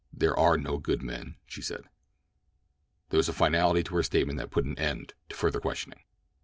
"There are no good men," she said. There was a finality to her statement that put an end to further questioning.